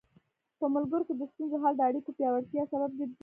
په ملګرو کې د ستونزو حل د اړیکو پیاوړتیا سبب ګرځي.